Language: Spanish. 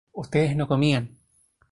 ustedes no comían